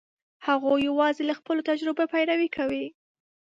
هغوی یواځې له خپلو تجربو پیروي کوي.